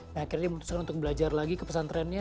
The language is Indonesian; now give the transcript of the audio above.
nah akhirnya dia memutuskan untuk belajar lagi ke pesantrennya